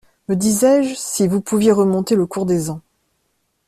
Me disais-je, si vous pouviez remonter le cours des ans.